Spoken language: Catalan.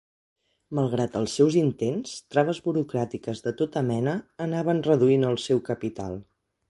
Malgrat els seus intents, traves burocràtiques de tota mena anaven reduint el seu capital.